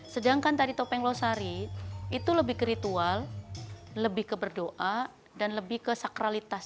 sedangkan tari topeng losari itu lebih ritual lebih ke berdoa dan lebih ke sakralitas